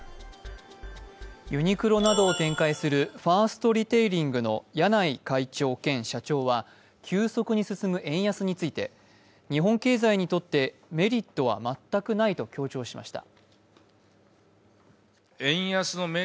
ユニクロなどを展開するファーストリテイリングの柳井会長兼社長は、急速に進む円安について、日本経済にとってメリットは全くないと強調しました。